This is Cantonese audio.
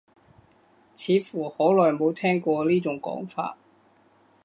似乎好耐冇聽過呢種講法